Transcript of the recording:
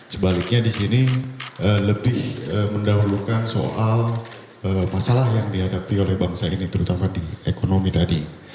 sebaliknya di sini lebih mendahulukan soal masalah yang dihadapi oleh bangsa ini terutama di ekonomi tadi